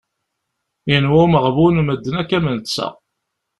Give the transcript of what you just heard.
Yenwa umeɣbun, medden akk am netta.